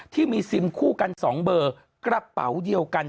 ที่มีซิมคู่กันสองเบอร์กระเป๋าเดียวกัน